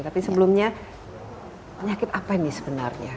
tapi sebelumnya penyakit apa ini sebenarnya